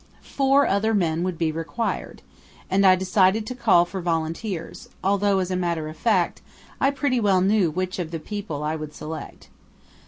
Four other men would be required, and I decided to call for volunteers, although, as a matter of fact, I pretty well knew which of the people I would select.